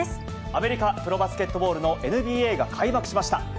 アメリカプロバスケットボールリーグのＮＢＡが開幕しました。